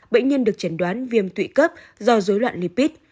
bệnh nhân được chẩn đoán viêm tụy cấp do dối loạn lipid